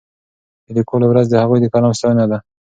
د لیکوالو ورځ د هغوی د قلم ستاینه ده.